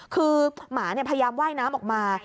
คือหมาพยายามไหว้น้ำออกมา